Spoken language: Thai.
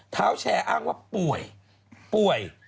เท้าแชร์อ้างว่าป่วย